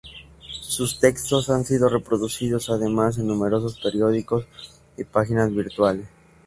Sus textos han sido reproducidos además en numerosos periódicos y páginas virtuales.